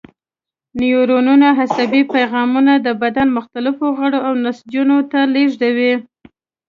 نیورونونه عصبي پیغامونه د بدن مختلفو غړو او نسجونو ته لېږدوي.